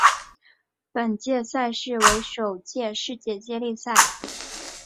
本届赛事为首届世界接力赛。